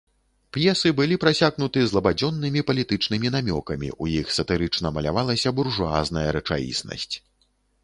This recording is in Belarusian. П'есы былі прасякнуты злабадзённымі палітычнымі намёкамі, у іх сатырычна малявалася буржуазная рэчаіснасць.